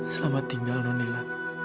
selamat tinggal non lila